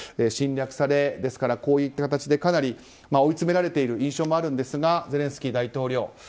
侵略され、こういった形でかなり追いつめられている印象もあるんですがゼレンスキー大統領。